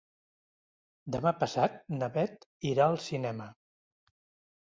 Demà passat na Beth irà al cinema.